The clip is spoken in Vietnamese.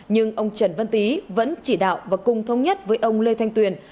nhưng ông trần văn tý vẫn chỉ đạo và cùng thông nhất với ông lê thanh tuyền